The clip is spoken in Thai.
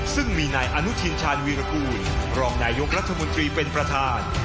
ซึ่งมีนายอนุทินชาญวีรกูลรองนายกรัฐมนตรีเป็นประธาน